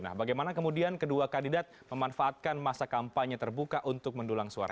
nah bagaimana kemudian kedua kandidat memanfaatkan masa kampanye terbuka untuk mendulang suara